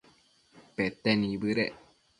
pete nibëdec